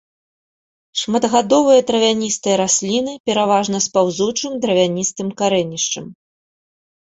Шматгадовыя травяністыя расліны пераважна з паўзучым дравяністым карэнішчам.